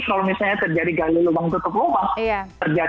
kalau misalnya terjadi gali lubang tutup lubang